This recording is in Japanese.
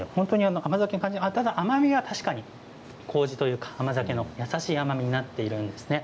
甘みが確かに、こうじというか甘酒の優しい甘みになっていますね。